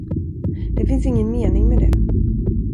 Det finns ingen mening med det.